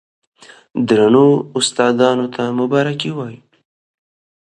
درنو استادانو ته مبارکي وايو،